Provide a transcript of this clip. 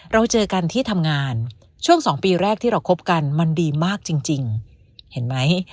เราเจอกันที่ทำงานช่วง๒ปีแรกที่เราคบกันมันดีมากจริงเห็นไหม